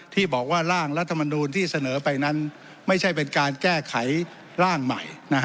ที่บอกว่าร่างรัฐมนูลที่เสนอไปนั้นไม่ใช่เป็นการแก้ไขร่างใหม่